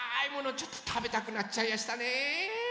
ちょっとたべたくなっちゃいやしたねえ。